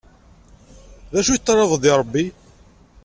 D acu i teṭṭalabeḍ deg rebbi?